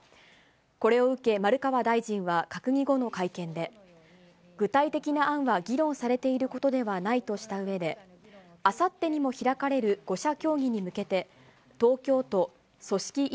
これを受け、丸川大臣は閣議後の会見で、具体的な案は議論されていることではないとしたうえで、あさって全国の皆さん、こんにちは。